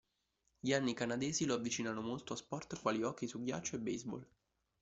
Gli anni “canadesi” lo avvicinano molto a sport quali Hockey su ghiaccio e baseball.